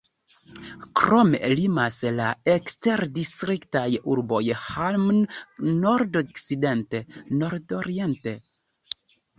Krome limas la eksterdistriktaj urboj Hamm nordoriente, Hagen sudokcidente kaj Dortmund okcidente.